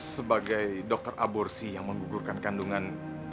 sebagai dokter aborsi yang menggugurkan kandungan